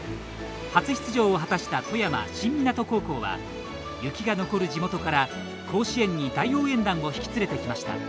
初出場を果たした富山・新湊高校は雪が残る地元から甲子園に大応援団を引き連れてきました。